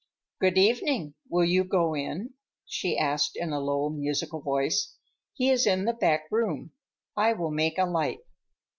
"Good evening; will you go in?" she asked in a low, musical voice. "He is in the back room. I will make a light."